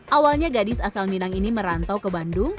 awalnya gadis asal minang ini merantau ke bandung